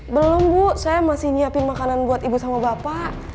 belum bu saya masih nyiapin makanan buat ibu sama bapak